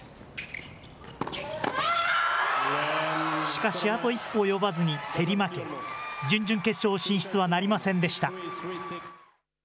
しかしあと一歩及ばずに競り負け、準々決勝進出はなりませんでした。